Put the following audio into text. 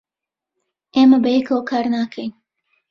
ئێمە بەیەکەوە کار ناکەین.